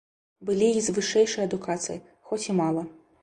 Былі і з вышэйшай адукацыяй, хоць і мала.